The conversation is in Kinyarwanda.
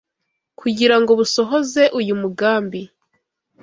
kugira ngo busohoze uyu mugambi.